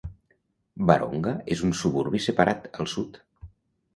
Wahroonga és un suburbi separat, al sud.